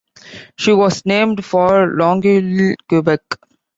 She was named for Longueuil, Quebec.